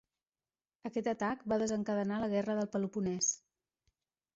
Aquest atac va desencadenar la guerra del Peloponès.